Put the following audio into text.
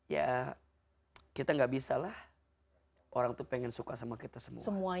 ya kita gak bisa lah orang tuh pengen suka sama kita semua